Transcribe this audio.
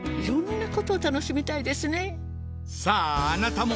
さああなたも！